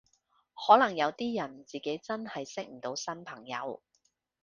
可能有啲人自己真係識唔到新朋友